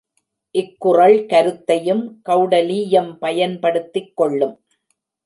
இக்குறள் கருத்தையும் கெளடலீயம் பயன்படுத்திக் கொள்ளும்.